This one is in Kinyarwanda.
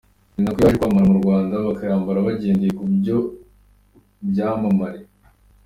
Ni nako yaje kwamamara mu Rwanda, bakayambara bagendeye kuri ibyo byamamare.